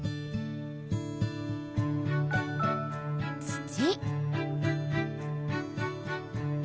土。